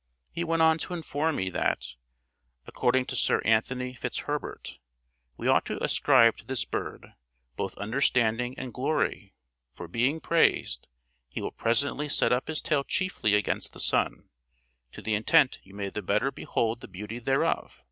He went on to inform me that, according to Sir Anthony Fitzherbert, we ought to ascribe to this bird "both understanding and glory; for being praised, he will presently set up his tail chiefly against the sun, to the intent you may the better behold the beauty thereof.